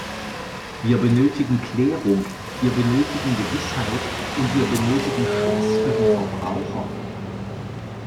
Wir benötigen Klärung, wir benötigen Gewissheit und wir benötigen Schutz für die Verbraucher.